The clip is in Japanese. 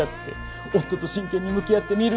夫と真剣に向き合ってみるって。